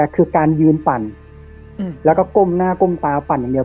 คือการยืนปั่นแล้วก็ก้มหน้าก้มตาปั่นอย่างเดียว